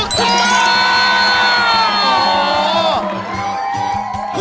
ถูกตัว